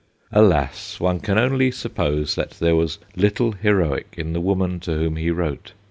Alas ! One can only suppose that there was little heroic in the woman to whom he wrote.